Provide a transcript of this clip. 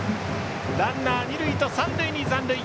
ランナー、二塁と三塁に残塁。